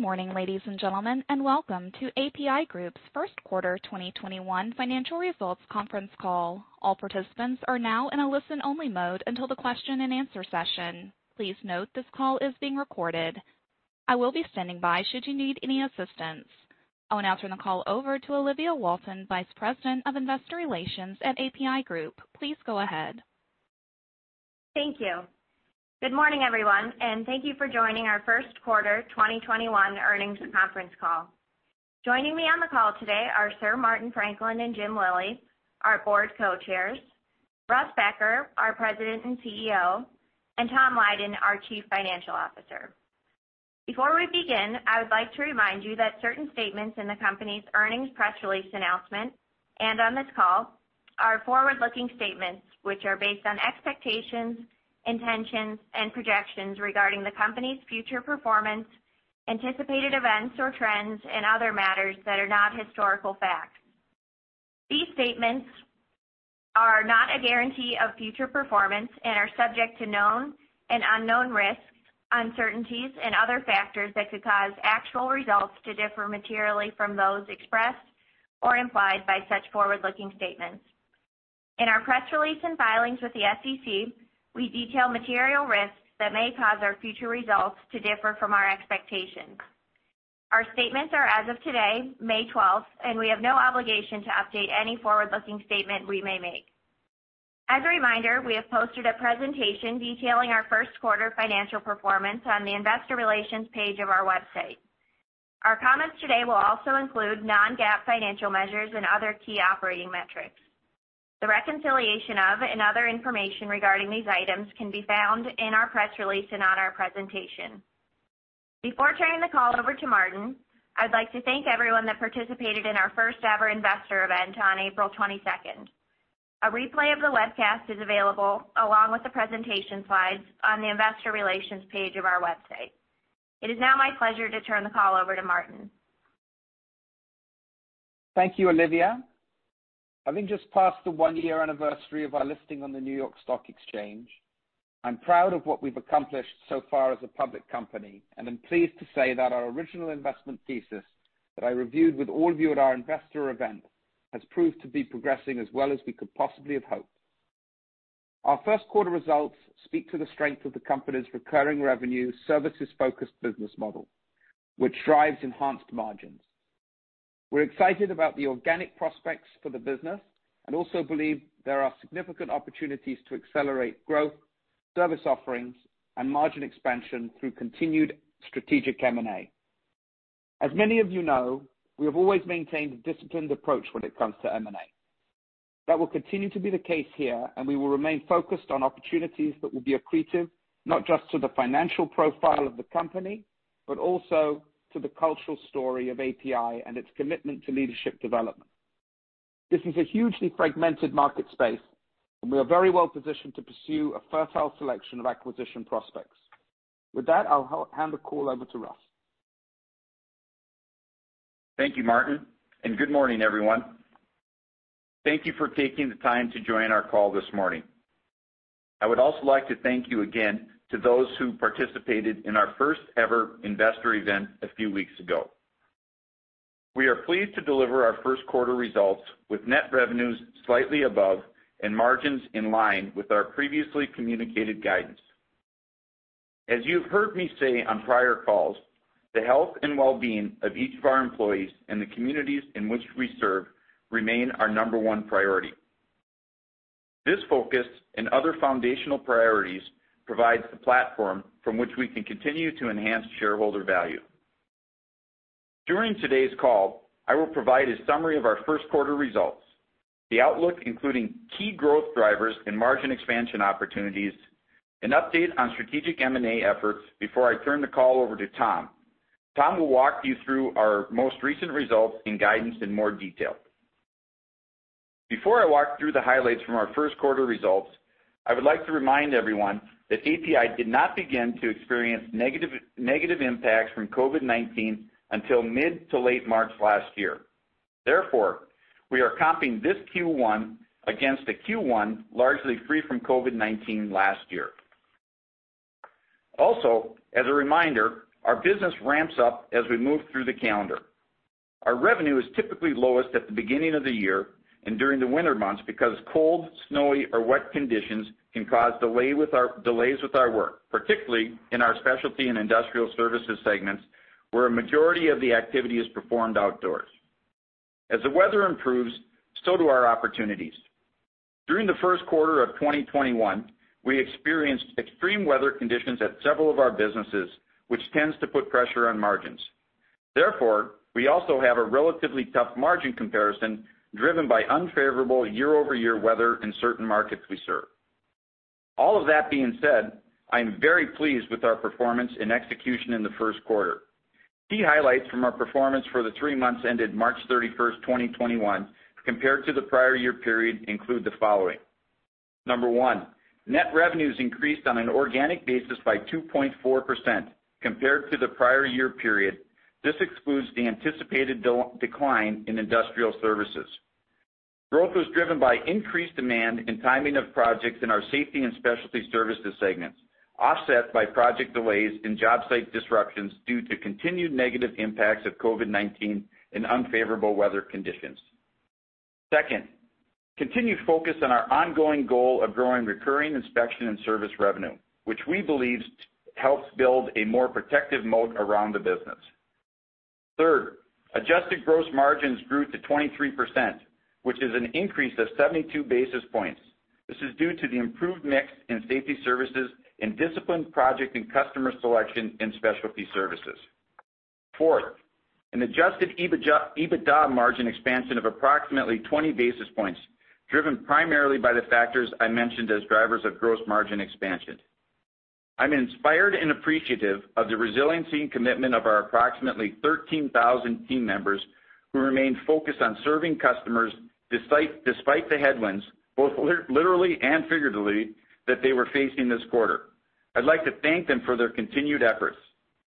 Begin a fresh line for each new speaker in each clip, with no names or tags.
Good morning, ladies and gentlemen, and welcome to APi Group's first quarter 2021 financial results conference call. All participants are now in a listen-only mode until the question and answer session. Please note that this call is being recorded. I will be standing by should you need any assistance. I'll now turn the call over to Olivia Walton, Vice President of Investor Relations at APi Group. Please go ahead.
Thank you. Good morning, everyone, and thank you for joining our first quarter 2021 earnings conference call. Joining me on the call today are Sir Martin Franklin and James E. Lillie, our Board Co-Chairs, Russ Becker, our President and CEO, and Tom Lydon, our Chief Financial Officer. Before we begin, I'd like to remind you that certain statements in the company's earnings press release announcement and on this call are forward-looking statements, which are based on expectations, intentions, and projections regarding the company's future performance, anticipated events or trends, and other matters that are not historical facts. These statements are not a guarantee of future performance and are subject to known and unknown risks, uncertainties, and other factors that could cause actual results to differ materially from those expressed or implied by such forward-looking statements. In our press release and filings with the SEC, we detail material risks that may cause our future results to differ from our expectations. Our statements are as of today, May 12th, and we have no obligation to update any forward-looking statement we may make. As a reminder, we have posted a presentation detailing our first quarter financial performance on the investor relations page of our website. Our comments today will also include non-GAAP financial measures and other key operating metrics. The reconciliation of and other information regarding these items can be found in our press release and on our presentation. Before turning the call over to Martin, I'd like to thank everyone that participated in our first ever investor event on April 22nd. A replay of the webcast is available, along with the presentation slides on the investor relations page of our website. It is now my pleasure to turn the call over to Martin.
Thank you, Olivia. Having just passed the one-year anniversary of our listing on the New York Stock Exchange, I'm proud of what we've accomplished so far as a public company, and am pleased to say that our original investment thesis that I reviewed with all of you at our investor event has proved to be progressing as well as we could possibly have hoped. Our first quarter results speak to the strength of the company's recurring revenue services-focused business model, which drives enhanced margins. We're excited about the organic prospects for the business and also believe there are significant opportunities to accelerate growth, service offerings, and margin expansion through continued strategic M&A. As many of you know, we have always maintained a disciplined approach when it comes to M&A. That will continue to be the case here, and we will remain focused on opportunities that will be accretive, not just to the financial profile of the company, but also to the cultural story of APi and its commitment to leadership development. This is a hugely fragmented market space, and we are very well positioned to pursue a fertile selection of acquisition prospects. With that, I'll hand the call over to Russ.
Thank you, Martin. Good morning, everyone. Thank you for taking the time to join our call this morning. I would also like to thank you again to those who participated in our first ever investor event a few weeks ago. We are pleased to deliver our first quarter results with net revenues slightly above and margins in line with our previously communicated guidance. As you have heard me say on prior calls, the health and wellbeing of each of our employees and the communities in which we serve remain our number one priority. This focus and other foundational priorities provides the platform from which we can continue to enhance shareholder value. During today's call, I will provide a summary of our first quarter results, the outlook, including key growth drivers and margin expansion opportunities, an update on strategic M&A efforts before I turn the call over to Tom. Tom will walk you through our most recent results and guidance in more detail. Before I walk through the highlights from our first quarter results, I would like to remind everyone that APi did not begin to experience negative impacts from COVID-19 until mid to late March last year. Therefore, we are comping this Q1 against a Q1 largely free from COVID-19 last year. Also, as a reminder, our business ramps up as we move through the calendar. Our revenue is typically lowest at the beginning of the year and during the winter months because cold, snowy, or wet conditions can cause delays with our work, particularly in our Specialty Services and Industrial Services segments, where a majority of the activity is performed outdoors. As the weather improves, so do our opportunities. During the first quarter of 2021, we experienced extreme weather conditions at several of our businesses, which tends to put pressure on margins. Therefore, we also have a relatively tough margin comparison driven by unfavorable year-over-year weather in certain markets we serve. All of that being said, I am very pleased with our performance and execution in the first quarter. Key highlights from our performance for the three months ended March 31st, 2021, compared to the prior year period include the following. Number one, net revenues increased on an organic basis by 2.4% compared to the prior year period. This excludes the anticipated decline in Industrial Services. Growth was driven by increased demand and timing of projects in our Safety Services and Specialty Services segments, offset by project delays and job site disruptions due to continued negative impacts of COVID-19 and unfavorable weather conditions. Second, continued focus on our ongoing goal of growing recurring inspection and service revenue, which we believe helps build a more protective moat around the business. Third, adjusted gross margins grew to 23%, which is an increase of 72 basis points. This is due to the improved mix in Safety Services and disciplined project and customer selection in Specialty Services. Fourth, an adjusted EBITDA margin expansion of approximately 20 basis points, driven primarily by the factors I mentioned as drivers of gross margin expansion. I'm inspired and appreciative of the resiliency and commitment of our approximately 13,000 team members who remain focused on serving customers despite the headwinds, both literally and figuratively, that they were facing this quarter. I'd like to thank them for their continued efforts.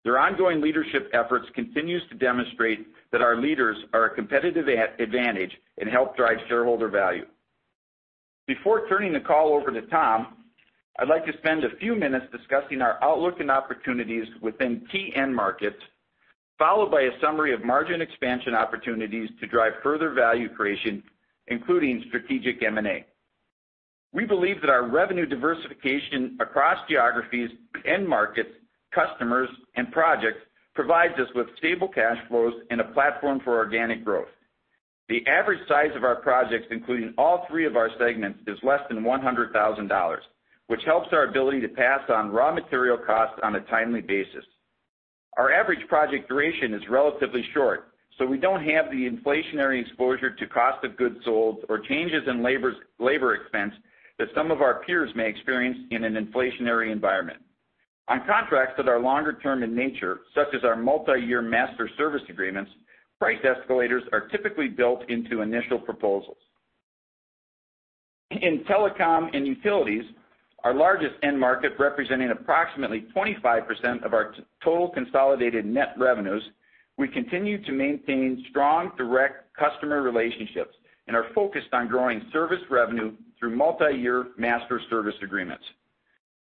Their ongoing leadership efforts continues to demonstrate that our leaders are a competitive advantage and help drive shareholder value. Before turning the call over to Tom, I'd like to spend a few minutes discussing our outlook and opportunities within key end markets, followed by a summary of margin expansion opportunities to drive further value creation, including strategic M&A. We believe that our revenue diversification across geographies, end markets, customers, and projects provides us with stable cash flows and a platform for organic growth. The average size of our projects, including all three of our segments, is less than $100,000, which helps our ability to pass on raw material costs on a timely basis. Our average project duration is relatively short, so we don't have the inflationary exposure to cost of goods sold or changes in labor expense that some of our peers may experience in an inflationary environment. On contracts that are longer term in nature, such as our multi-year master service agreements, price escalators are typically built into initial proposals. In telecom and utilities, our largest end market, representing approximately 25% of our total consolidated net revenues, we continue to maintain strong direct customer relationships and are focused on growing service revenue through multi-year master service agreements.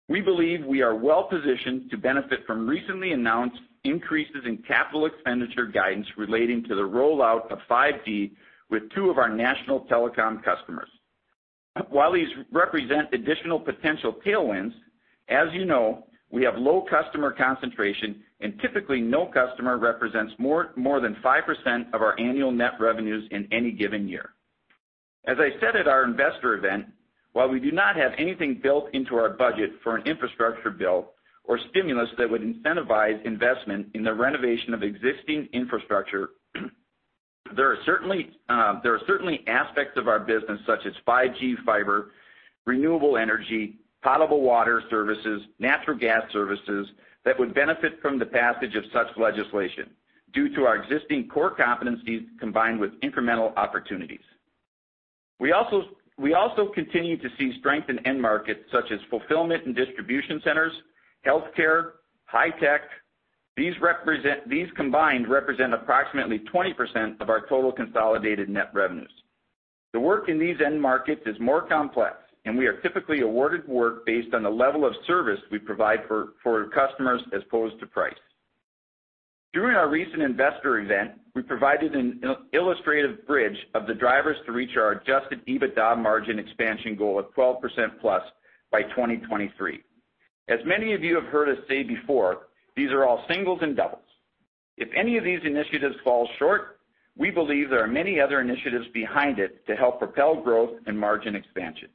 We believe we are well positioned to benefit from recently announced increases in capital expenditure guidance relating to the rollout of 5G with two of our national telecom customers. While these represent additional potential tailwinds, as you know, we have low customer concentration, and typically, no customer represents more than 5% of our annual net revenues in any given year. As I said at our investor event, while we do not have anything built into our budget for an infrastructure bill or stimulus that would incentivize investment in the renovation of existing infrastructure, there are certainly aspects of our business such as 5G, fiber, renewable energy, potable water services, natural gas services, that would benefit from the passage of such legislation due to our existing core competencies combined with incremental opportunities. We also continue to see strength in end markets such as fulfillment and distribution centers, healthcare, high tech. These combined represent approximately 20% of our total consolidated net revenues. The work in these end markets is more complex, and we are typically awarded work based on the level of service we provide for customers as opposed to price. During our recent investor event, we provided an illustrative bridge of the drivers to reach our adjusted EBITDA margin expansion goal of 12%+ by 2023. As many of you have heard us say before, these are all singles and doubles. If any of these initiatives fall short, we believe there are many other initiatives behind it to help propel growth and margin expansion.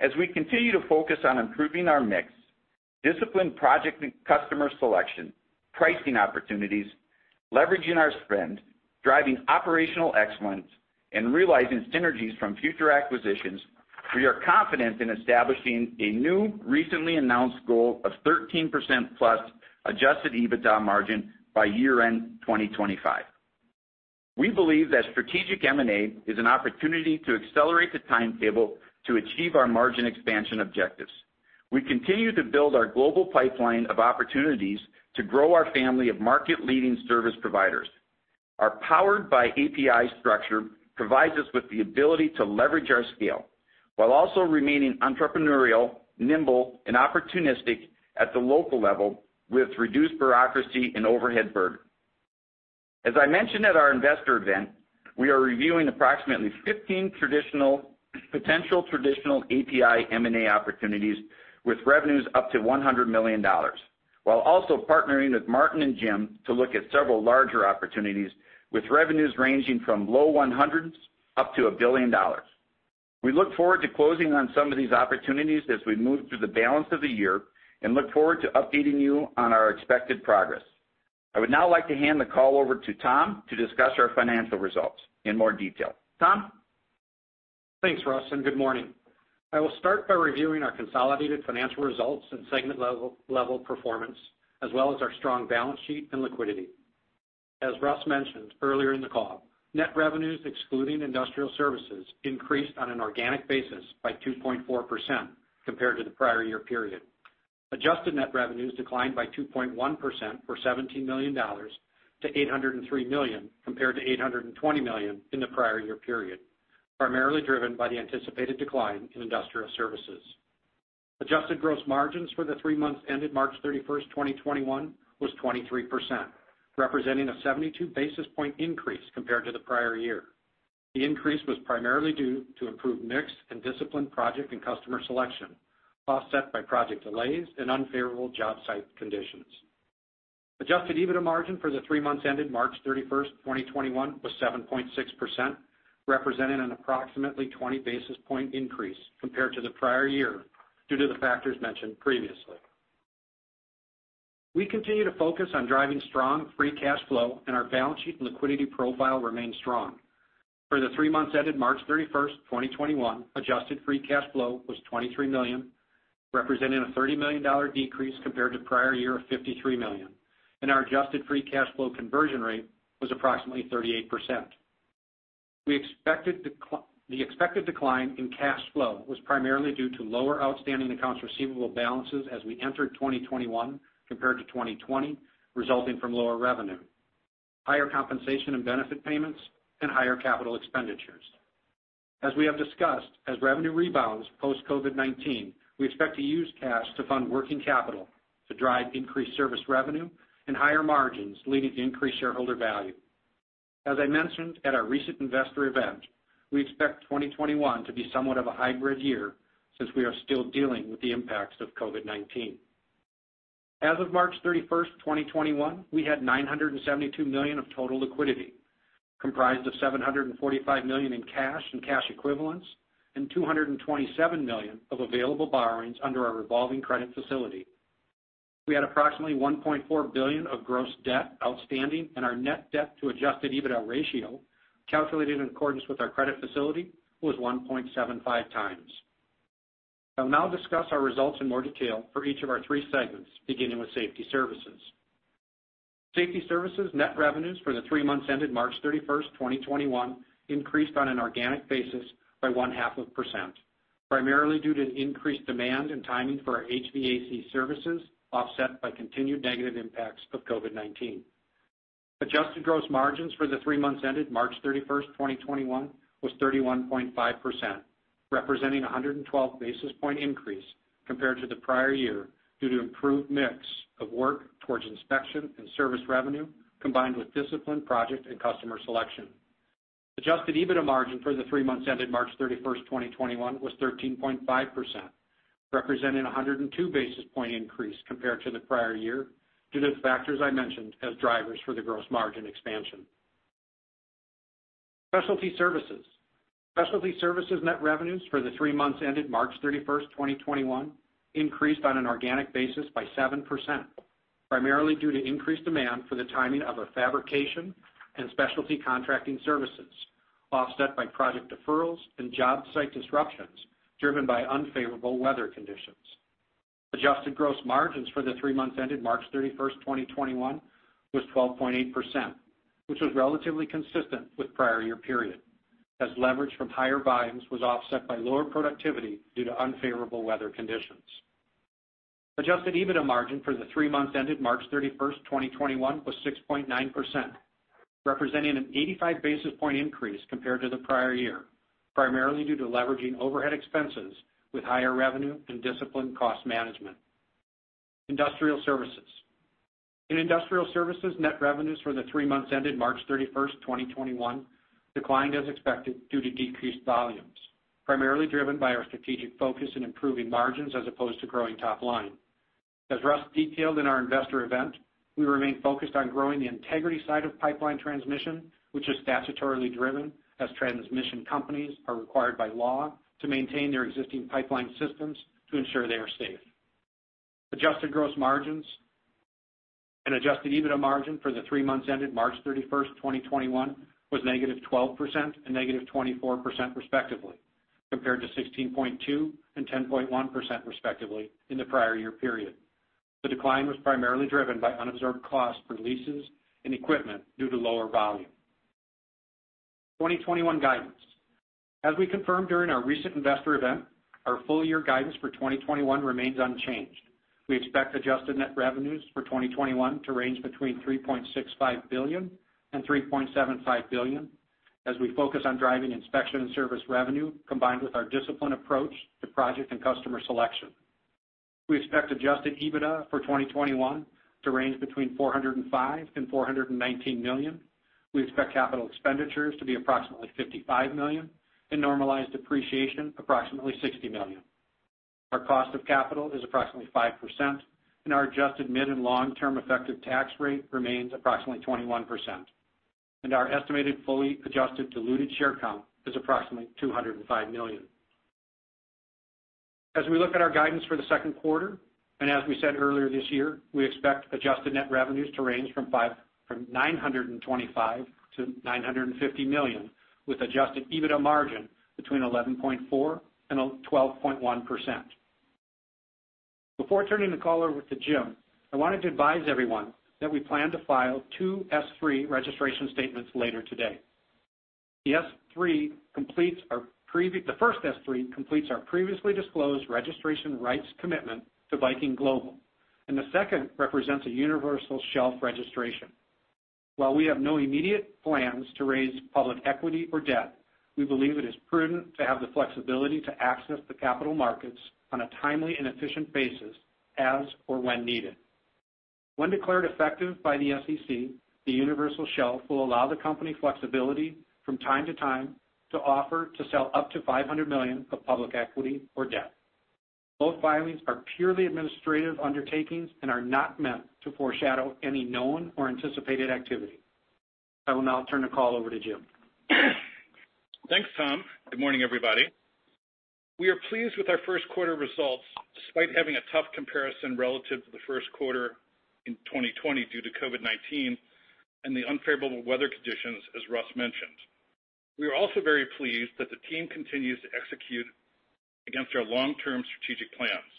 As we continue to focus on improving our mix, disciplined project and customer selection, pricing opportunities, leveraging our spend, driving operational excellence, and realizing synergies from future acquisitions, we are confident in establishing a new recently announced goal of 13%+ adjusted EBITDA margin by year-end 2025. We believe that strategic M&A is an opportunity to accelerate the timetable to achieve our margin expansion objectives. We continue to build our global pipeline of opportunities to grow our family of market-leading service providers. Our Powered by APi structure provides us with the ability to leverage our scale while also remaining entrepreneurial, nimble, and opportunistic at the local level with reduced bureaucracy and overhead burden. As I mentioned at our investor event, we are reviewing approximately 15 potential traditional APi M&A opportunities with revenues up to $100 million, while also partnering with Martin and Jim to look at several larger opportunities with revenues ranging from low 100s up to $1 billion. We look forward to closing on some of these opportunities as we move through the balance of the year and look forward to updating you on our expected progress. I would now like to hand the call over to Tom to discuss our financial results in more detail. Tom?
Thanks, Russ. Good morning. I will start by reviewing our consolidated financial results and segment level performance, as well as our strong balance sheet and liquidity. As Russ mentioned earlier in the call, net revenues excluding Industrial Services increased on an organic basis by 2.4% compared to the prior year period. Adjusted net revenues declined by 2.1%, or $17 million, to $803 million compared to $820 million in the prior year period, primarily driven by the anticipated decline in Industrial Services. Adjusted gross margins for the three months ended March 31st, 2021 was 23%, representing a 72 basis point increase compared to the prior year. The increase was primarily due to improved mix and disciplined project and customer selection, offset by project delays and unfavorable job site conditions. Adjusted EBITDA margin for the three months ended March 31st, 2021 was 7.6%, representing an approximately 20 basis point increase compared to the prior year, due to the factors mentioned previously. We continue to focus on driving strong free cash flow, and our balance sheet and liquidity profile remain strong. For the three months ended March 31st, 2021, adjusted free cash flow was $23 million, representing a $30 million decrease compared to prior year of $53 million, and our adjusted free cash flow conversion rate was approximately 38%. The expected decline in cash flow was primarily due to lower outstanding accounts receivable balances as we entered 2021 compared to 2020, resulting from lower revenue, higher compensation and benefit payments, and higher capital expenditures. As we have discussed, as revenue rebounds post-COVID-19, we expect to use cash to fund working capital to drive increased service revenue and higher margins, leading to increased shareholder value. As I mentioned at our recent investor event, we expect 2021 to be somewhat of a hybrid year since we are still dealing with the impacts of COVID-19. As of March 31st, 2021, we had $972 million of total liquidity, comprised of $745 million in cash and cash equivalents and $227 million of available borrowings under our revolving credit facility. We had approximately $1.4 billion of gross debt outstanding, and our net debt to adjusted EBITDA ratio, calculated in accordance with our credit facility, was 1.75x. I'll now discuss our results in more detail for each of our three segments, beginning with Safety Services. Safety Services net revenues for the three months ended March 31, 2021 increased on an organic basis by 0.5%, primarily due to increased demand and timing for our HVAC services, offset by continued negative impacts of COVID-19. Adjusted gross margins for the three months ended March 31, 2021 was 31.5%, representing a 112 basis point increase compared to the prior year due to improved mix of work towards inspection and service revenue, combined with disciplined project and customer selection. Adjusted EBITDA margin for the three months ended March 31, 2021 was 13.5%, representing a 102 basis point increase compared to the prior year due to the factors I mentioned as drivers for the gross margin expansion. Specialty Services. Specialty Services net revenues for the three months ended March 31st, 2021 increased on an organic basis by 7%, primarily due to increased demand for the timing of our fabrication and specialty contracting services, offset by project deferrals and job site disruptions driven by unfavorable weather conditions. Adjusted gross margins for the three months ended March 31st, 2021 was 12.8%, which was relatively consistent with prior year period, as leverage from higher volumes was offset by lower productivity due to unfavorable weather conditions. Adjusted EBITDA margin for the three months ended March 31st, 2021 was 6.9%, representing an 85 basis point increase compared to the prior year, primarily due to leveraging overhead expenses with higher revenue and disciplined cost management. Industrial Services. In Industrial Services, net revenues for the three months ended March 31st, 2021 declined as expected due to decreased volumes, primarily driven by our strategic focus in improving margins as opposed to growing top line. As Russ detailed in our investor event, we remain focused on growing the integrity side of pipeline transmission, which is statutorily driven, as transmission companies are required by law to maintain their existing pipeline systems to ensure they are safe. Adjusted gross margins and adjusted EBITDA margin for the three months ended March 31st, 2021 was -12% and -24%, respectively, compared to 16.2% and 10.1%, respectively, in the prior year period. The decline was primarily driven by unabsorbed costs for leases and equipment due to lower volume. 2021 guidance. As we confirmed during our recent investor event, our full year guidance for 2021 remains unchanged. We expect adjusted net revenues for 2021 to range between $3.65 billion and $3.75 billion as we focus on driving inspection and service revenue, combined with our disciplined approach to project and customer selection. We expect adjusted EBITDA for 2021 to range between $405 million and $419 million. We expect capital expenditures to be approximately $55 million and normalized depreciation approximately $60 million. Our cost of capital is approximately 5% and our adjusted mid- and long-term effective tax rate remains approximately 21%. Our estimated fully adjusted diluted share count is approximately 205 million. As we look at our guidance for the second quarter, and as we said earlier this year, we expect adjusted net revenues to range from $925 million to $950 million, with adjusted EBITDA margin between 11.4% and 12.1%. Before turning the call over to Jim, I wanted to advise everyone that we plan to file two S3 registration statements later today. The first S3 completes our previously disclosed registration rights commitment to Viking Global, and the second represents a universal shelf registration. While we have no immediate plans to raise public equity or debt, we believe it is prudent to have the flexibility to access the capital markets on a timely and efficient basis as or when needed. When declared effective by the SEC, the universal shelf will allow the company flexibility from time to time to offer to sell up to $500 million of public equity or debt. Both filings are purely administrative undertakings and are not meant to foreshadow any known or anticipated activity. I will now turn the call over to Jim.
Thanks, Tom. Good morning, everybody. We are pleased with our first quarter results, despite having a tough comparison relative to the first quarter in 2020 due to COVID-19 and the unfavorable weather conditions, as Russ mentioned. We are also very pleased that the team continues to execute against our long-term strategic plans.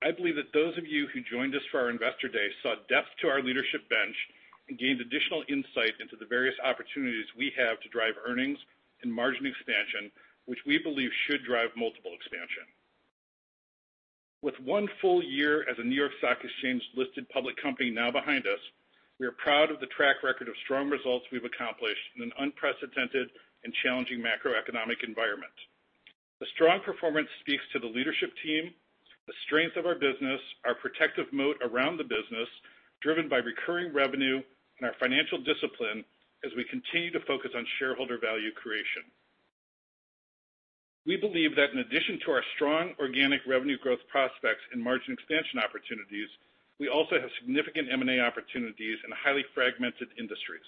I believe that those of you who joined us for our investor day saw depth to our leadership bench and gained additional insight into the various opportunities we have to drive earnings and margin expansion, which we believe should drive multiple expansion. With one full year as a New York Stock Exchange listed public company now behind us, we are proud of the track record of strong results we've accomplished in an unprecedented and challenging macroeconomic environment. The strong performance speaks to the leadership team, the strength of our business, our protective moat around the business, driven by recurring revenue and our financial discipline as we continue to focus on shareholder value creation. We believe that in addition to our strong organic revenue growth prospects and margin expansion opportunities, we also have significant M&A opportunities in highly fragmented industries.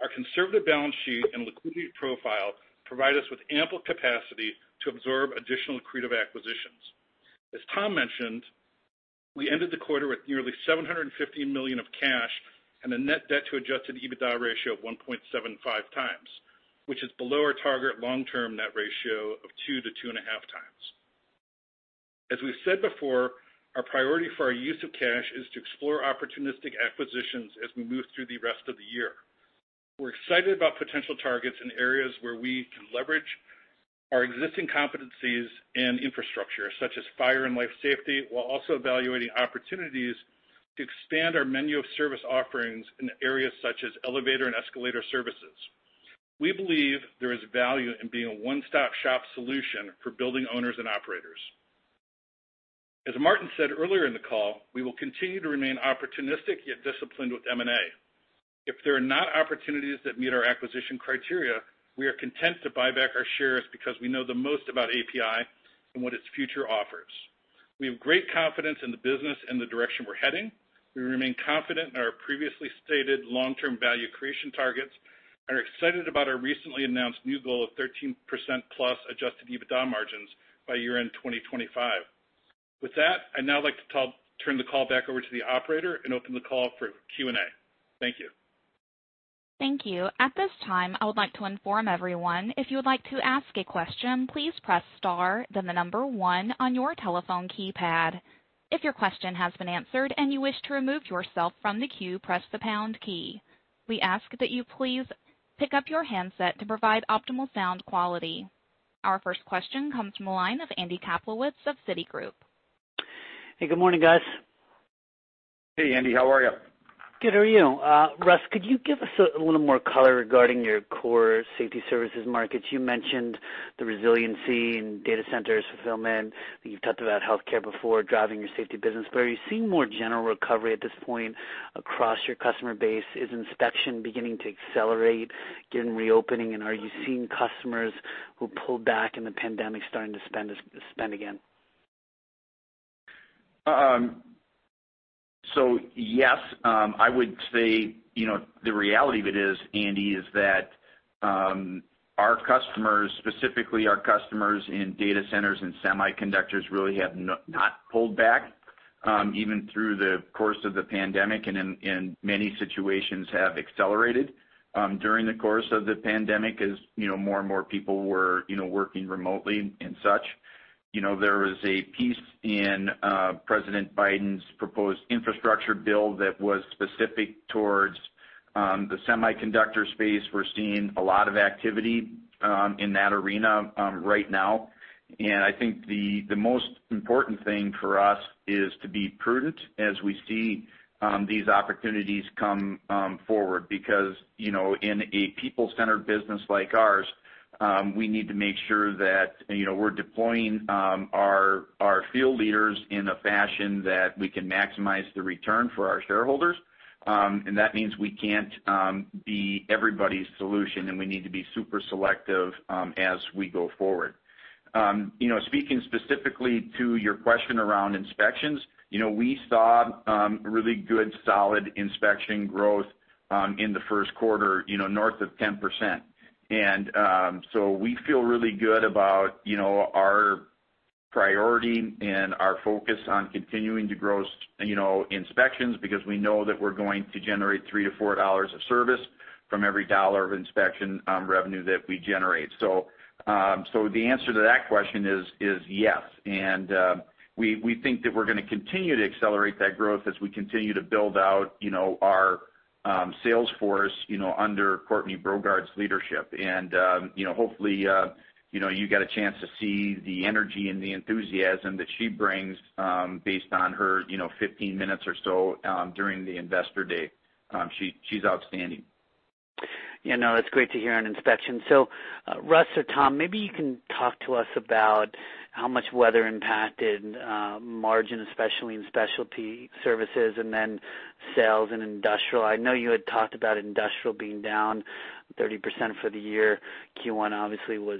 Our conservative balance sheet and liquidity profile provide us with ample capacity to absorb additional accretive acquisitions. As Tom mentioned, we ended the quarter with nearly $750 million of cash and a net debt to adjusted EBITDA ratio of 1.75x, which is below our target long-term net ratio of 2x to 2.5x. As we've said before, our priority for our use of cash is to explore opportunistic acquisitions as we move through the rest of the year. We're excited about potential targets in areas where we can leverage our existing competencies and infrastructure, such as fire and life safety, while also evaluating opportunities to expand our menu of service offerings in areas such as elevator and escalator services. We believe there is value in being a one-stop shop solution for building owners and operators. As Martin said earlier in the call, we will continue to remain opportunistic, yet disciplined with M&A. If there are not opportunities that meet our acquisition criteria, we are content to buy back our shares because we know the most about APi and what its future offers. We have great confidence in the business and the direction we're heading. We remain confident in our previously stated long-term value creation targets and are excited about our recently announced new goal of 13%+ adjusted EBITDA margins by year-end 2025. With that, I'd now like to turn the call back over to the operator and open the call up for Q&A. Thank you.
Thank you. At this time, I would like to inform everyone if you would like to ask a question, please press star then the number one on your telephone keypad. If your question has been answered and you wish to remove yourself from the queue, press the pound key. We ask that you please pick up your handset to provide optimal sound quality. Our first question comes from the line of Andy Kaplowitz of Citigroup.
Hey, good morning, guys.
Hey, Andy. How are you?
Good. How are you? Russ, could you give us a little more color regarding your core Safety Services markets? You mentioned the resiliency in data centers fulfillment. You've talked about healthcare before driving your safety business, but are you seeing more general recovery at this point across your customer base? Is inspection beginning to accelerate given reopening, and are you seeing customers who pulled back in the pandemic starting to spend again?
Yes. I would say, the reality of it is, Andy, is that our customers, specifically our customers in data centers and semiconductors, really have not pulled back, even through the course of the pandemic, and in many situations have accelerated, during the course of the pandemic, as more and more people were working remotely and such. There was a piece in President Biden's proposed infrastructure bill that was specific towards the semiconductor space. We're seeing a lot of activity in that arena right now. I think the most important thing for us is to be prudent as we see these opportunities come forward because, in a people-centered business like ours, we need to make sure that we're deploying our field leaders in a fashion that we can maximize the return for our shareholders. That means we can't be everybody's solution, and we need to be super selective as we go forward. Speaking specifically to your question around inspections, we saw really good, solid inspection growth in the first quarter, north of 10%. We feel really good about our priority and our focus on continuing to grow inspections because we know that we're going to generate $3-$4 of service from every dollar of inspection revenue that we generate. The answer to that question is yes. We think that we're going to continue to accelerate that growth as we continue to build out our sales force under Courtney Brogaard's leadership. Hopefully, you got a chance to see the energy and the enthusiasm that she brings based on her 15 minutes or so during the investor day. She's outstanding.
Yeah, no, that's great to hear on inspection. Russ or Tom, maybe you can talk to us about how much weather impacted margin, especially in Specialty Services and then sales and Industrial. I know you had talked about Industrial being down 30% for the year. Q1 obviously was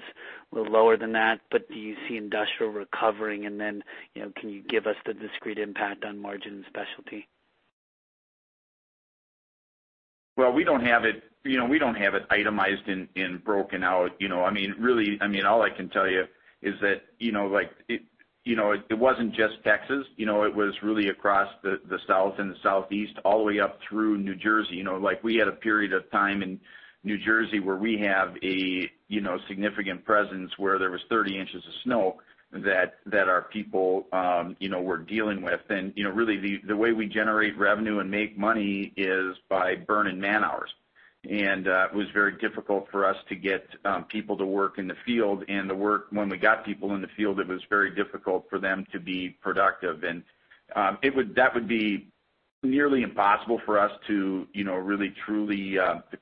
a little lower than that, but do you see Industrial recovering? Can you give us the discrete impact on margin and Specialty?
Well, we don't have it itemized and broken out. Really, all I can tell you is that it wasn't just Texas. It was really across the South and the Southeast all the way up through New Jersey. We had a period of time in New Jersey where we have a significant presence where there was 30 inches of snow that our people were dealing with. Really the way we generate revenue and make money is by burning man-hours. It was very difficult for us to get people to work in the field, and to work when we got people in the field, it was very difficult for them to be productive. That would be nearly impossible for us to really truly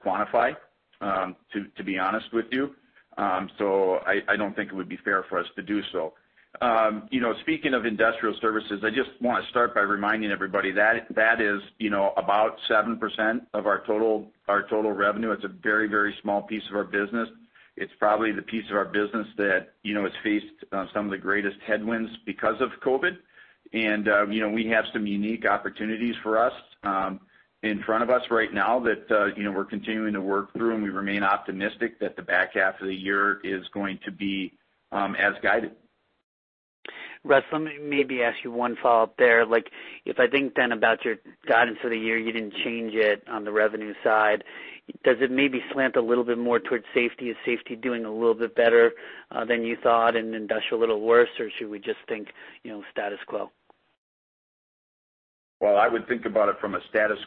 quantify, to be honest with you. I don't think it would be fair for us to do so. Speaking of Industrial Services, I just want to start by reminding everybody that is about 7% of our total revenue. It's a very, very small piece of our business. It's probably the piece of our business that has faced some of the greatest headwinds because of COVID-19, and we have some unique opportunities for us in front of us right now that we're continuing to work through, and we remain optimistic that the back half of the year is going to be as guided.
Russ, let me maybe ask you one follow-up there. If I think then about your guidance for the year, you didn't change it on the revenue side. Does it maybe slant a little bit more towards Safety Services? Is Safety Services doing a little bit better than you thought and Industrial Services a little worse? Should we just think status quo?
I would think about it from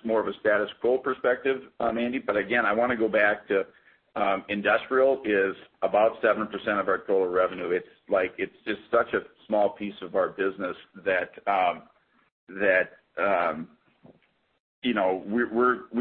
more of a status quo perspective, Andy. Again, I want to go back to Industrial Services is about 7% of our total revenue. It's just such a small piece of our business that we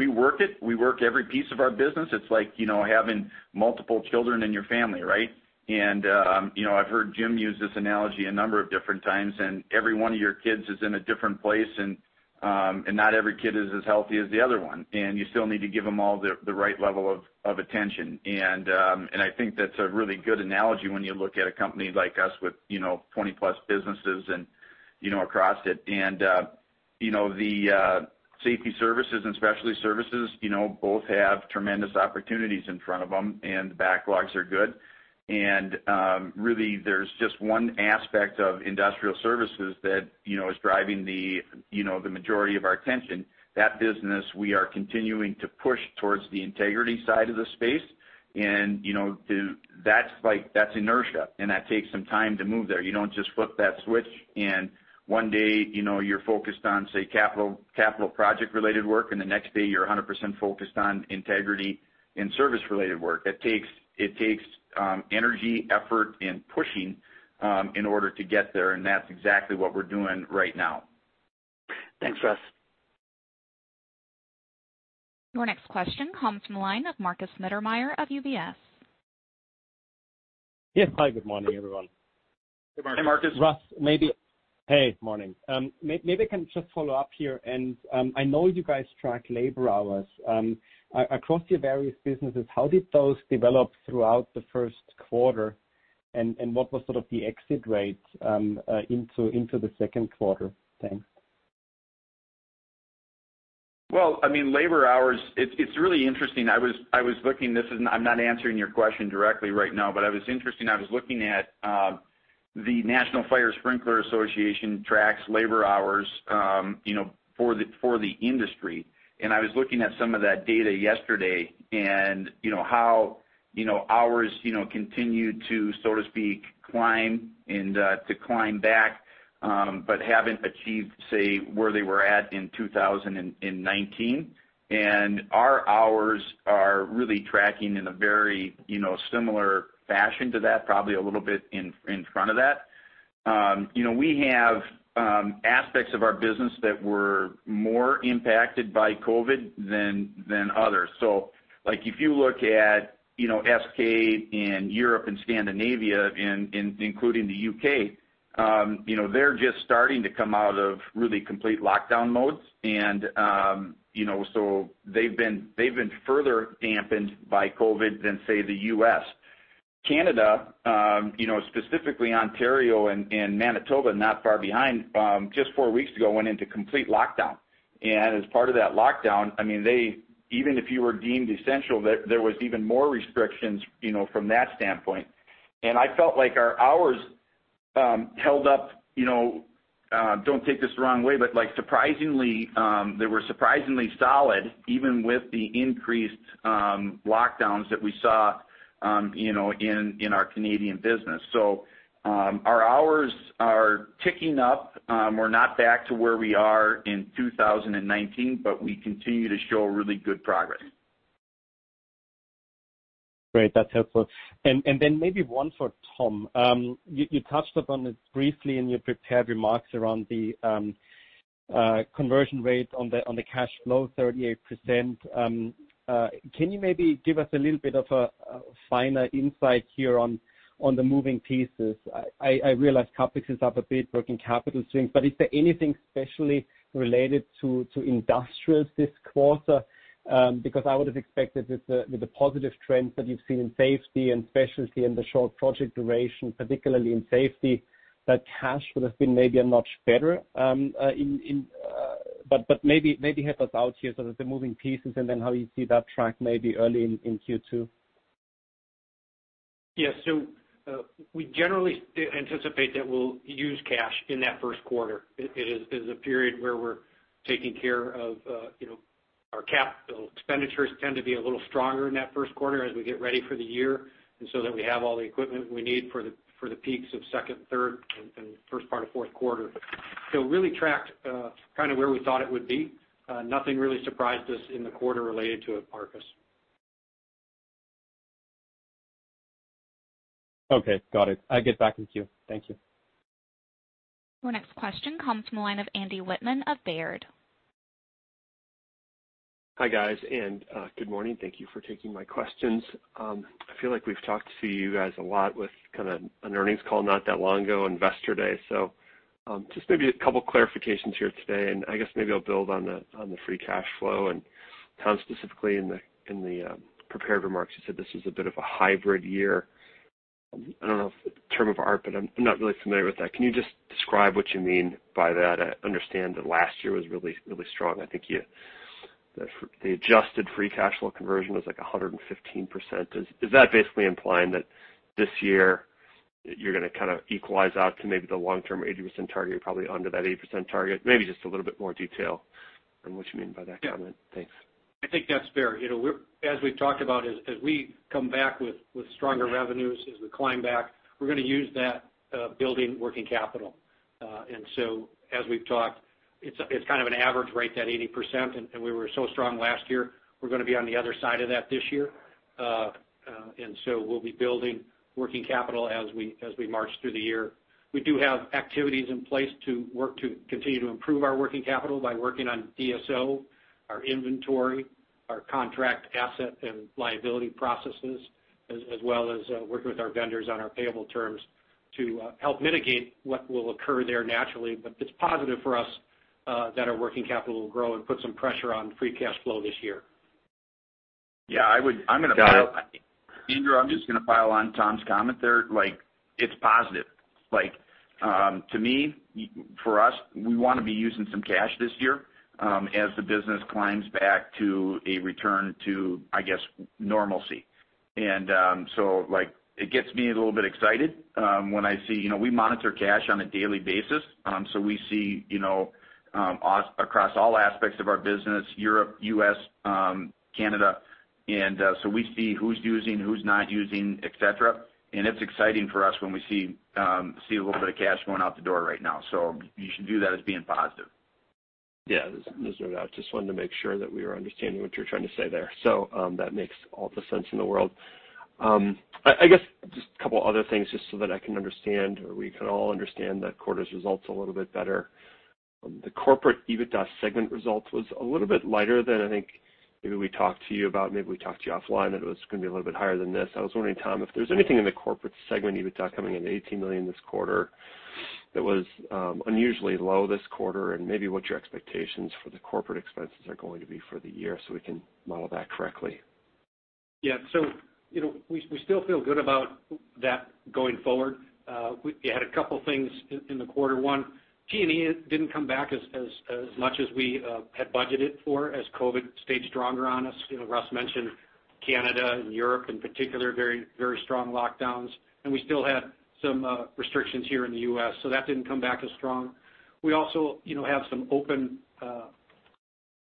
work it. We work every piece of our business. It's like having multiple children in your family, right? I've heard Jim Lillie use this analogy a number of different times, and every one of your kids is in a different place and not every kid is as healthy as the other one. You still need to give them all the right level of attention. I think that's a really good analogy when you look at a company like us with 20+ businesses and across it. The Safety Services and Specialty Services, both have tremendous opportunities in front of them and the backlogs are good. Really there's just one aspect of Industrial Services that is driving the majority of our attention. That business, we are continuing to push towards the integrity side of the space. That's inertia, and that takes some time to move there. You don't just flip that switch and one day, you're focused on, say, capital project related work, and the next day you're 100% focused on integrity and service related work. It takes energy, effort, and pushing in order to get there, and that's exactly what we're doing right now.
Thanks, Russ.
Your next question comes from the line of Markus Mittermaier of UBS.
Yes. Hi, good morning, everyone.
Hey, Markus.
Russ, morning. Maybe I can just follow up here. I know you guys track labor hours. Across your various businesses, how did those develop throughout the first quarter, and what was sort of the exit rates into the second quarter? Thanks.
Labor hours, it's really interesting. I'm not answering your question directly right now, but it was interesting. I was looking at the National Fire Sprinkler Association tracks labor hours for the industry. I was looking at some of that data yesterday and how hours continued to, so to speak, climb and to climb back, but haven't achieved, say, where they were at in 2019. Our hours are really tracking in a very similar fashion to that, probably a little bit in front of that. We have aspects of our business that were more impacted by COVID-19 than others. If you look at SK and Europe and Scandinavia, including the U.K., they're just starting to come out of really complete lockdown modes. They've been further dampened by COVID-19 than, say, the U.S. Canada, specifically Ontario and Manitoba, not far behind, just four weeks ago, went into complete lockdown. As part of that lockdown, even if you were deemed essential, there was even more restrictions from that standpoint. I felt like our hours held up. Don't take this the wrong way, but they were surprisingly solid, even with the increased lockdowns that we saw in our Canadian business. Our hours are ticking up. We're not back to where we are in 2019, but we continue to show really good progress.
Great, that's helpful. Then maybe one for Tom. You touched upon this briefly in your prepared remarks around the conversion rate on the cash flow, 38%. Can you maybe give us a little bit of a finer insight here on the moving pieces? I realize CapEx is up a bit, working capital strength. Is there anything especially related to Industrial Services this quarter? I would've expected with the positive trends that you've seen in Safety Services and Specialty Services and the short project duration, particularly in Safety Services, that cash would've been maybe a notch better. Maybe help us out here, sort of the moving pieces and then how you see that track maybe early in Q2.
Yeah. We generally anticipate that we'll use cash in that first quarter. It is a period where we're taking care of our capital. Expenditures tend to be a little stronger in that first quarter as we get ready for the year, and so that we have all the equipment we need for the peaks of second, third, and first part of fourth quarter. Really tracked where we thought it would be. Nothing really surprised us in the quarter related to it, Markus.
Okay. Got it. I get back with you. Thank you.
Our next question comes from the line of Andy Wittmann of Baird.
Hi, guys, good morning. Thank you for taking my questions. I feel like we've talked to you guys a lot with an earnings call not that long ago, Investor Day. Just maybe a couple clarifications here today, and I guess maybe I'll build on the free cash flow. Tom, specifically in the prepared remarks, you said this is a bit of a hybrid year. I don't know if it's a term of art, but I'm not really familiar with that. Can you just describe what you mean by that? I understand that last year was really strong. I think the adjusted free cash flow conversion was like 115%. Is that basically implying that this year you're going to equalize out to maybe the long-term 80% target, probably under that 80% target? Maybe just a little bit more detail on what you mean by that comment.
Yeah.
Thanks.
I think that's fair. As we've talked about, as we come back with stronger revenues, as we climb back, we're going to use that building working capital. As we've talked, it's kind of an average rate, that 80%, and we were so strong last year, we're going to be on the other side of that this year. We'll be building working capital as we march through the year. We do have activities in place to work to continue to improve our working capital by working on DSO, our inventory, our contract asset and liability processes, as well as working with our vendors on our payable terms to help mitigate what will occur there naturally. It's positive for us that our working capital will grow and put some pressure on free cash flow this year.
Yeah.
Got it.
Andy, I'm just going to pile on Tom's comment there. It's positive. To me, for us, we want to be using some cash this year as the business climbs back to a return to normalcy. It gets me a little bit excited when we monitor cash on a daily basis, so we see across all aspects of our business, Europe, U.S., Canada. We see who's using, who's not using, et cetera. It's exciting for us when we see a little bit of cash going out the door right now. You should view that as being positive.
Yeah. No, I just wanted to make sure that we were understanding what you were trying to say there. That makes all the sense in the world. I guess just a couple other things, just so that I can understand, or we can all understand the quarter's results a little bit better. The corporate EBITDA segment results was a little bit lighter than I think maybe we talked to you about, maybe we talked to you offline, that it was going to be a little bit higher than this. I was wondering, Tom, if there is anything in the corporate segment EBITDA coming in at $18 million this quarter that was unusually low this quarter, and maybe what your expectations for the corporate expenses are going to be for the year, so we can model that correctly.
Yeah. We still feel good about that going forward. We had a couple things in the quarter one, T&E didn't come back as much as we had budgeted for as COVID-19 stayed stronger on us. Russ Becker mentioned Canada and Europe in particular, very strong lockdowns. We still had some restrictions here in the U.S., that didn't come back as strong. We also have some open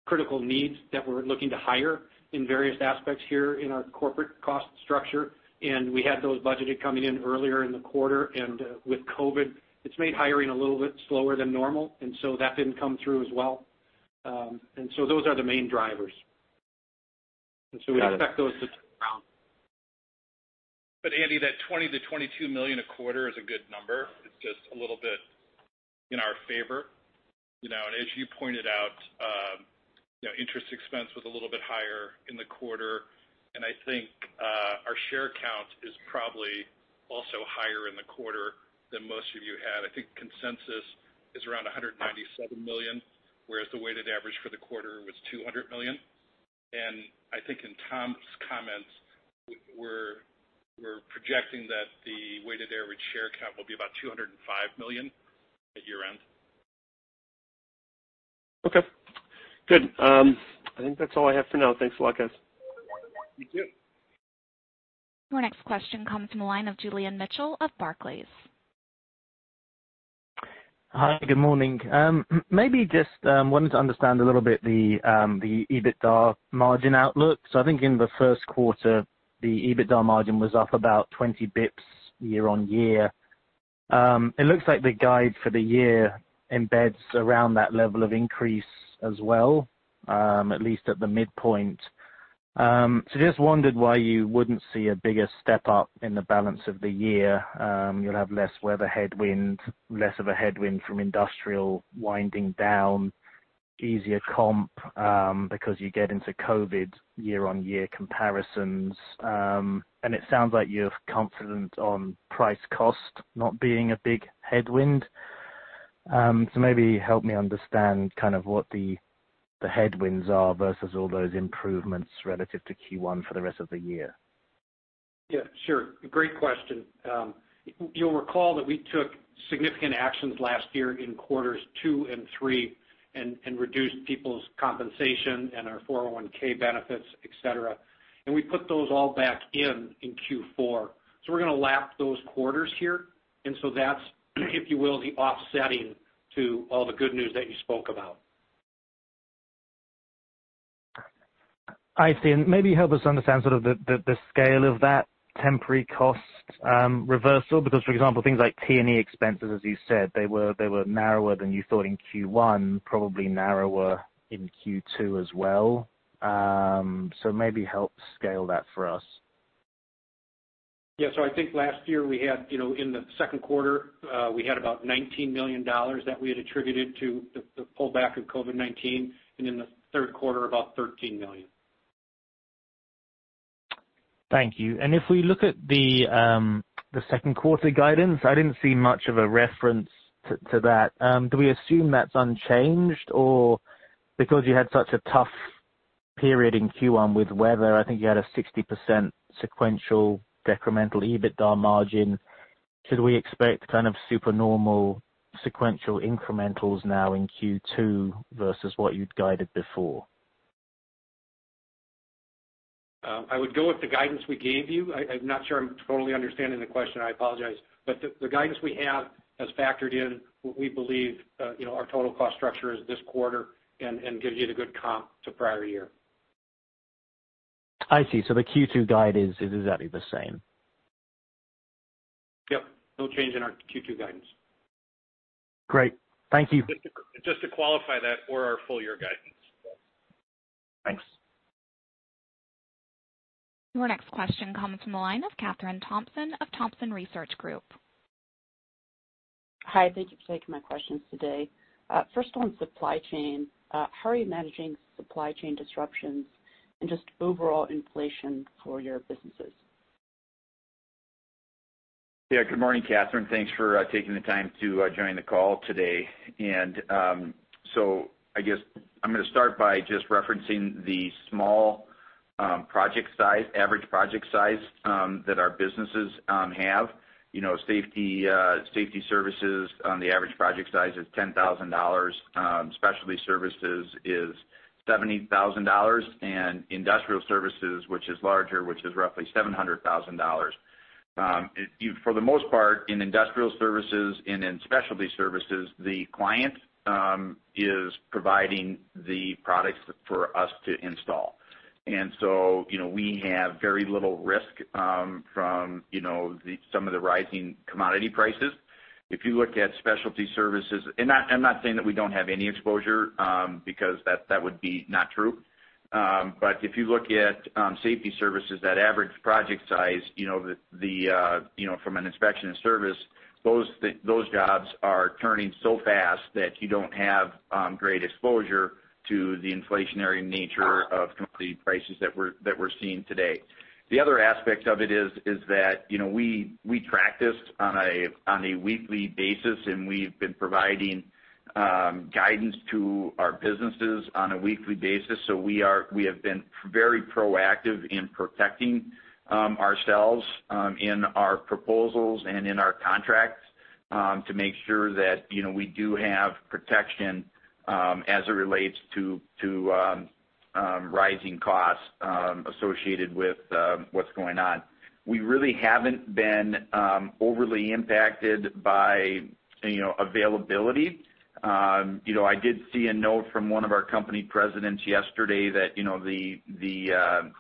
critical needs that we're looking to hire in various aspects here in our corporate cost structure. We had those budgeted coming in earlier in the quarter. With COVID-19, it's made hiring a little bit slower than normal, that didn't come through as well. Those are the main drivers.
Got it.
We expect those to turn around.
Andy, that $20 million-$22 million a quarter is a good number. It's just a little bit in our favor. As you pointed out, interest expense was a little bit higher in the quarter, and I think our share count is probably also higher in the quarter than most of you had. I think consensus is around $197 million, whereas the weighted average for the quarter was $200 million. I think in Tom Lydon's comments, we're projecting that the weighted average share count will be about $205 million at year end.
Okay. Good. I think that's all I have for now. Thanks a lot, guys.
Thank you.
Our next question comes from the line of Julian Mitchell of Barclays.
Hi. Good morning. Maybe just wanted to understand a little bit the EBITDA margin outlook. I think in the first quarter, the EBITDA margin was up about 20 basis points year-over-year. It looks like the guide for the year embeds around that level of increase as well, at least at the midpoint. Just wondered why you wouldn't see a bigger step up in the balance of the year. You'll have less weather headwind, less of a headwind from Industrial Services winding down, easier comp, because you get into COVID-19 year-over-year comparisons. It sounds like you're confident on price cost not being a big headwind. Maybe help me understand kind of what the headwinds are versus all those improvements relative to Q1 for the rest of the year.
Sure. Great question. You'll recall that we took significant actions last year in quarters two and three and reduced people's compensation and our 401(k) benefits, et cetera, and we put those all back in Q4. We're going to lap those quarters here, and that's, if you will, the offsetting to all the good news that you spoke about.
I see. Maybe help us understand sort of the scale of that temporary cost reversal because, for example, things like T&E expenses, as you said, they were narrower than you thought in Q1, probably narrower in Q2 as well. Maybe help scale that for us.
Yeah. I think last year, in the second quarter, we had about $19 million that we had attributed to the pullback of COVID-19, and in the third quarter, about $13 million.
Thank you. If we look at the second quarter guidance, I didn't see much of a reference to that. Do we assume that's unchanged? Because you had such a tough period in Q1 with weather, I think you had a 60% sequential decremental EBITDA margin. Should we expect kind of super normal sequential incrementals now in Q2 versus what you'd guided before?
I would go with the guidance we gave you. I'm not sure I'm totally understanding the question. I apologize. The guidance we have has factored in what we believe our total cost structure is this quarter and gives you the good comp to prior year.
I see. The Q2 guide is exactly the same.
Yep. No change in our Q2 guidance.
Great. Thank you.
Just to qualify that, or our full year guidance.
Thanks.
Your next question comes from the line of Kathryn Thompson of Thompson Research Group.
Hi, thank you for taking my questions today. First on supply chain, how are you managing supply chain disruptions and just overall inflation for your businesses?
Good morning, Kathryn. Thanks for taking the time to join the call today. I guess I'm going to start by just referencing the small average project size that our businesses have. Safety Services, the average project size is $10,000. Specialty Services is $70,000. Industrial Services, which is larger, which is roughly $700,000. For the most part, in Industrial Services and in Specialty Services, the client is providing the products for us to install. We have very little risk from some of the rising commodity prices. If you look at Specialty Services. I'm not saying that we don't have any exposure, because that would be not true. If you look at Safety Services, that average project size from an inspection and service, those jobs are turning so fast that you don't have great exposure to the inflationary nature of commodity prices that we're seeing today. The other aspect of it is that we practiced on a weekly basis, and we've been providing guidance to our businesses on a weekly basis. We have been very proactive in protecting ourselves, in our proposals and in our contracts, to make sure that we do have protection, as it relates to rising costs associated with what's going on. We really haven't been overly impacted by availability. I did see a note from one of our company presidents yesterday that the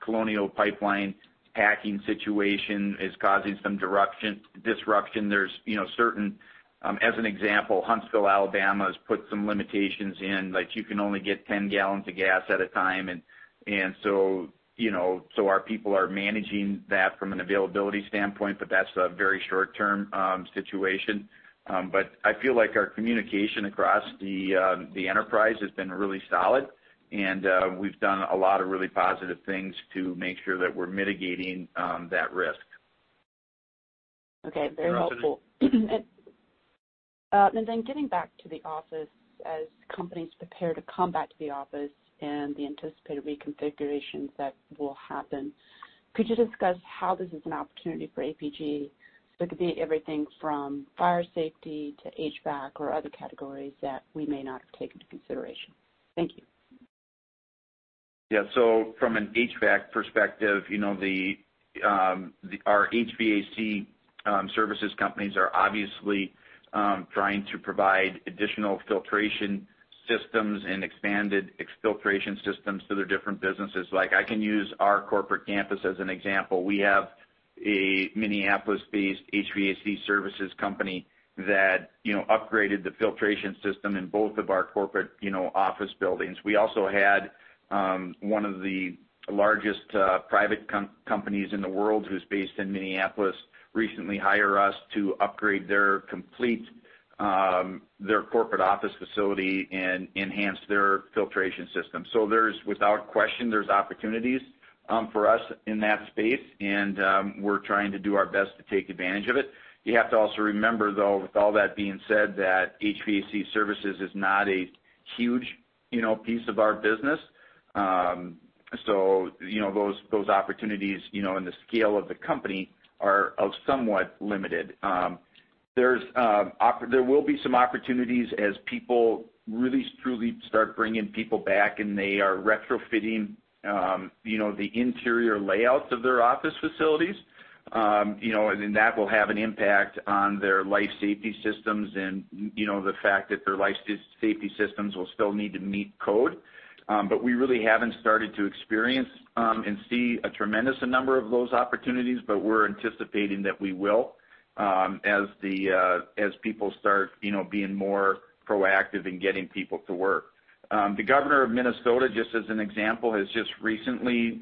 Colonial Pipeline hacking situation is causing some disruption. As an example, Huntsville, Alabama, has put some limitations in, like you can only get 10 gallons of gas at a time. Our people are managing that from an availability standpoint, but that's a very short-term situation. I feel like our communication across the enterprise has been really solid, and we've done a lot of really positive things to make sure that we're mitigating that risk.
Okay. Very helpful. Getting back to the office, as companies prepare to come back to the office and the anticipated reconfigurations that will happen, could you discuss how this is an opportunity for APi Group? It could be everything from fire safety to HVAC or other categories that we may not have taken into consideration. Thank you.
Yeah. From an HVAC perspective, our HVAC services companies are obviously trying to provide additional filtration systems and expanded exfiltration systems to their different businesses. I can use our corporate campus as an example. We have a Minneapolis-based HVAC services company that upgraded the filtration system in both of our corporate office buildings. We also had one of the largest private companies in the world, who's based in Minneapolis, recently hire us to upgrade their corporate office facility and enhance their filtration system. Without question, there's opportunities for us in that space, and we're trying to do our best to take advantage of it. You have to also remember, though, with all that being said, that HVAC services is not a huge piece of our business. Those opportunities in the scale of the company are somewhat limited. There will be some opportunities as people really truly start bringing people back, and they are retrofitting the interior layouts of their office facilities. That will have an impact on their life safety systems and the fact that their life safety systems will still need to meet code. We really haven't started to experience and see a tremendous number of those opportunities, but we're anticipating that we will as people start being more proactive in getting people to work. The governor of Minnesota, just as an example, has just recently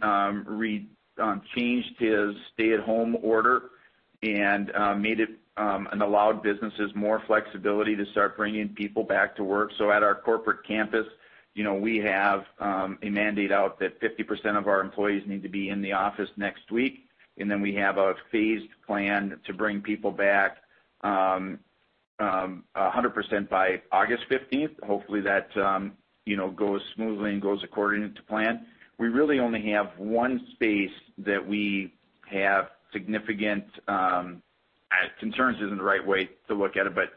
changed his stay-at-home order and allowed businesses more flexibility to start bringing people back to work. At our corporate campus, we have a mandate out that 50% of our employees need to be in the office next week, and then we have a phased plan to bring people back 100% by August 15th. Hopefully, that goes smoothly and goes according to plan. We really only have one space that we have significant, concerns isn't the right way to look at it, but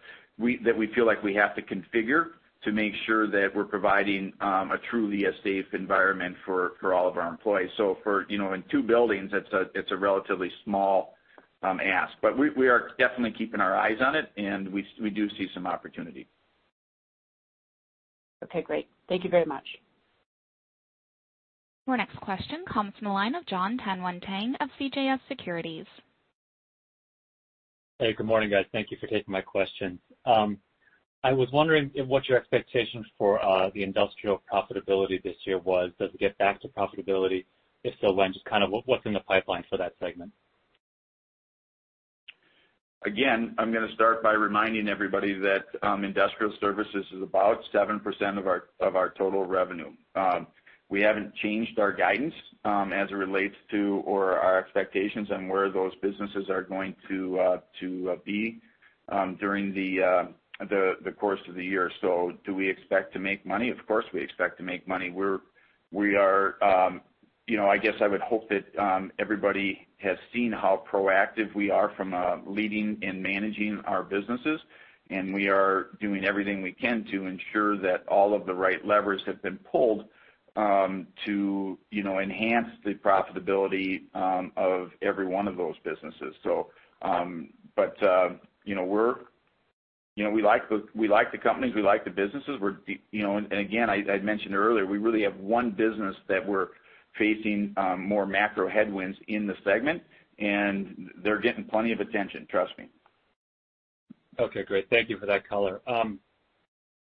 that we feel like we have to configure to make sure that we're providing a truly a safe environment for all of our employees. In two buildings, it's a relatively small ask. We are definitely keeping our eyes on it, and we do see some opportunity.
Okay, great. Thank you very much.
Our next question comes from the line of Jon Tanwanteng of CJS Securities.
Hey, good morning, guys. Thank you for taking my questions. I was wondering what your expectations for the Industrial profitability this year was. Does it get back to profitability? If so, when? What's in the pipeline for that segment?
Again, I'm going to start by reminding everybody that Industrial Services is about 7% of our total revenue. We haven't changed our guidance as it relates to, or our expectations on where those businesses are going to be during the course of the year. Do we expect to make money? Of course, we expect to make money. I guess I would hope that everybody has seen how proactive we are from a leading and managing our businesses, and we are doing everything we can to ensure that all of the right levers have been pulled to enhance the profitability of every one of those businesses. We like the companies, we like the businesses. Again, I mentioned earlier, we really have one business that we're facing more macro headwinds in the segment, and they're getting plenty of attention. Trust me.
Okay, great. Thank you for that color.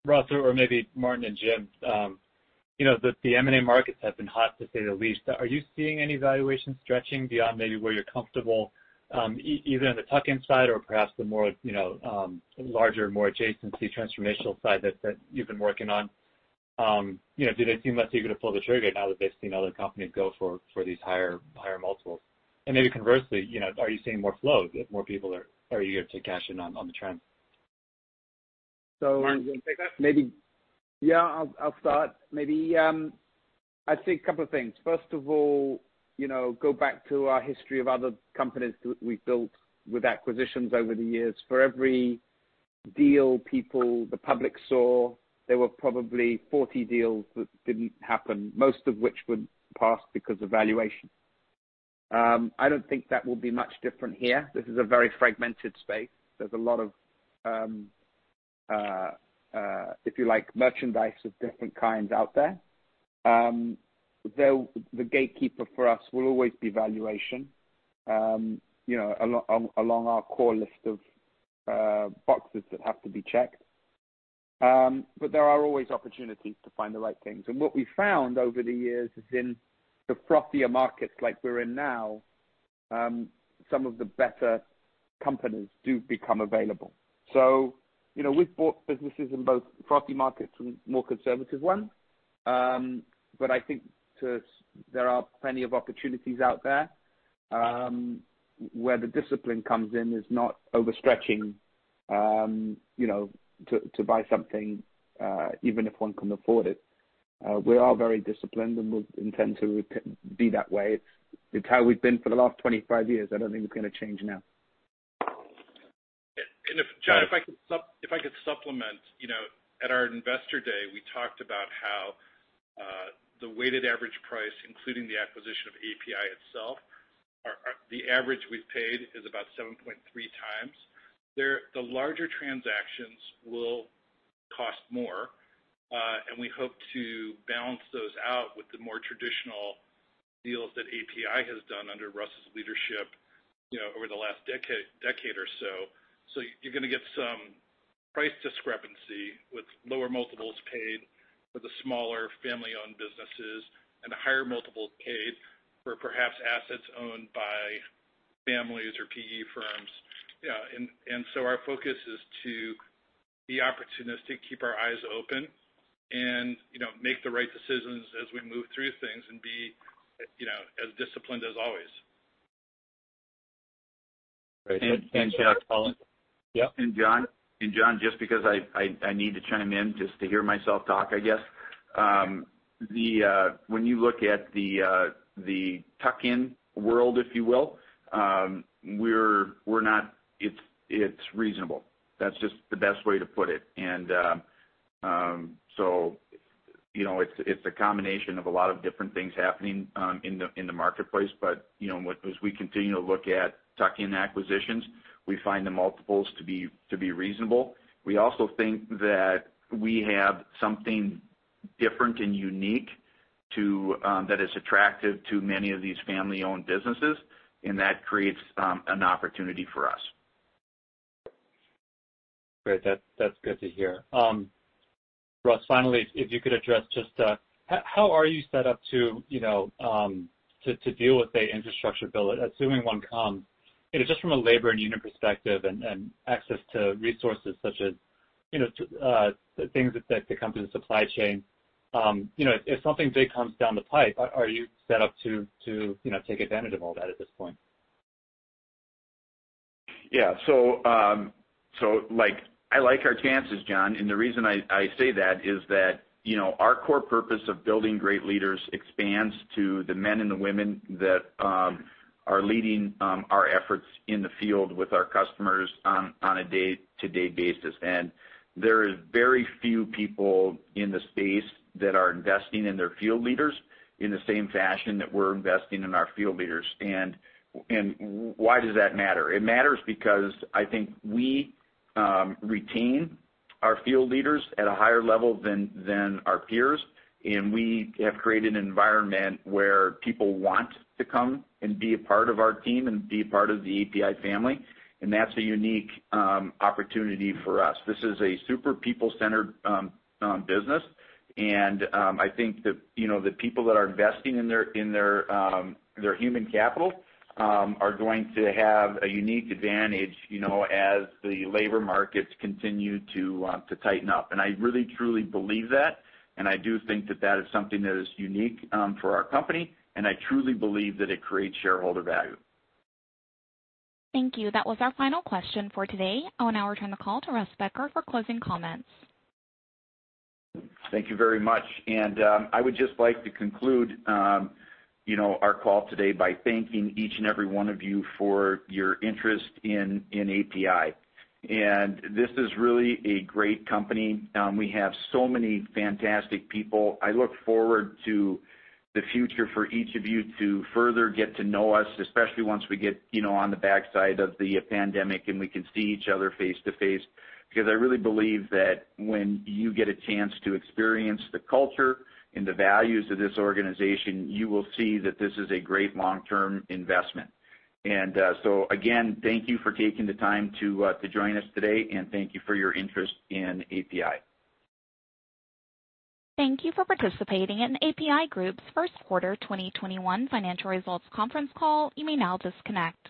Russ or maybe Martin and Jim, the M&A markets have been hot, to say the least. Are you seeing any valuation stretching beyond maybe where you're comfortable, either on the tuck-in side or perhaps the more larger, more adjacency transformational side that you've been working on? Do they seem less eager to pull the trigger now that they've seen other companies go for these higher multiples? Maybe conversely, are you seeing more flow, that more people are eager to cash in on the trend?
So-
Martin, do you want to take that?
I'll start. Maybe I'd say a couple of things. First of all, go back to our history of other companies that we've built with acquisitions over the years. For every deal the public saw, there were probably 40 deals that didn't happen, most of which would pass because of valuation. I don't think that will be much different here. This is a very fragmented space. There's a lot of, if you like, merchandise of different kinds out there. Though the gatekeeper for us will always be valuation along our core list of boxes that have to be checked. There are always opportunities to find the right things. What we've found over the years is in the frothier markets like we're in now, some of the better companies do become available. We've bought businesses in both frothy markets and more conservative ones. I think there are plenty of opportunities out there. Where the discipline comes in is not overstretching to buy something even if one can afford it. We are very disciplined and we intend to be that way. It's how we've been for the last 25 years. I don't think it's going to change now.
If, Jon, if I could supplement. At our investor day, we talked about how the weighted average price, including the acquisition of APi itself The average we've paid is about 7.3x. The larger transactions will cost more. We hope to balance those out with the more traditional deals that APi has done under Russ's leadership over the last decade or so. You're going to get some price discrepancy with lower multiples paid for the smaller family-owned businesses and the higher multiples paid for perhaps assets owned by families or PE firms. Our focus is to be opportunistic, keep our eyes open and make the right decisions as we move through things and be as disciplined as always.
Great.
Jon?
Yeah.
Jon, just because I need to chime in just to hear myself talk, I guess. When you look at the tuck-in world, if you will, it's reasonable. That's just the best way to put it. It's a combination of a lot of different things happening in the marketplace. As we continue to look at tuck-in acquisitions, we find the multiples to be reasonable. We also think that we have something different and unique that is attractive to many of these family-owned businesses, and that creates an opportunity for us.
Great. That's good to hear. Russ, finally, if you could address just how are you set up to deal with the infrastructure bill, assuming one comes. Just from a labor and union perspective and access to resources such as the things that could come through the supply chain. If something big comes down the pipe, are you set up to take advantage of all that at this point?
Yeah. I like our chances, Jon, and the reason I say that is that our core purpose of building great leaders expands to the men and the women that are leading our efforts in the field with our customers on a day-to-day basis. There is very few people in the space that are investing in their field leaders in the same fashion that we're investing in our field leaders. Why does that matter? It matters because I think we retain our field leaders at a higher level than our peers, and we have created an environment where people want to come and be a part of our team and be a part of the APi family, and that's a unique opportunity for us. This is a super people-centered business, and I think the people that are investing in their human capital are going to have a unique advantage as the labor markets continue to tighten up. I really, truly believe that, and I do think that that is something that is unique for our company, and I truly believe that it creates shareholder value.
Thank you. That was our final question for today. I will now return the call to Russ Becker for closing comments.
Thank you very much. I would just like to conclude our call today by thanking each and every one of you for your interest in APi. This is really a great company. We have so many fantastic people. I look forward to the future for each of you to further get to know us, especially once we get on the backside of the pandemic and we can see each other face-to-face. Because I really believe that when you get a chance to experience the culture and the values of this organization, you will see that this is a great long-term investment. Again, thank you for taking the time to join us today, and thank you for your interest in APi.
Thank you for participating in APi Group's first quarter 2021 financial results conference call. You may now disconnect.